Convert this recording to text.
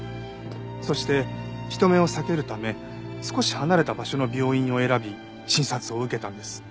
そして人目を避けるため少し離れた場所の病院を選び診察を受けたんです。